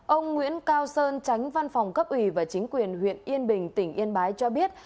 ông nguyễn cao sơn tránh văn phòng cấp ủy và chính quyền huyện yên bình tỉnh yên bái cho biết